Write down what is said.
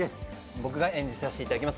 僕が演じさせて頂きます